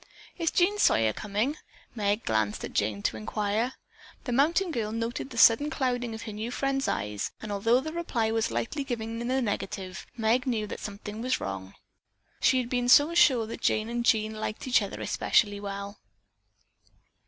"Is Jean Sawyer coming?" Meg glanced at Jane to inquire. The mountain girl noted the sudden clouding of her new friend's eyes and although the reply was lightly given in the negative, Meg knew that something was wrong. She had been so sure that Jane and Jean liked each other especially well.